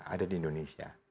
ada di indonesia